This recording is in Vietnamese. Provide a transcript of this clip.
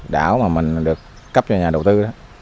đảo mà mình được cấp cho nhà đầu tư đó